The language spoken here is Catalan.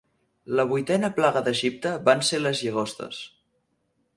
La vuitena plaga d'Egipte van ser les llagostes.